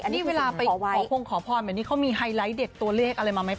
อันนี้เวลาไปขอพงขอพรเขามีไฮไลท์เด็กตัวเลขอะไรมาไหมพ่อ